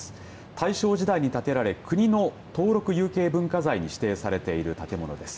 大正時代に建てられ国の登録有形文化財に指定されている建物です。